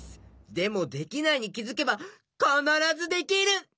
でもできないにきづけばかならずできる！